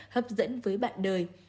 hấp dẫn với bạn đời